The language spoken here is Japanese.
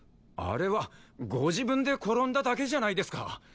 あれはご自分で転んだだけじゃないですか。